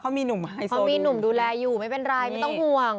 เขามีหนุ่มดูแลอยู่ไม่เป็นไรไม่ต้องห่วง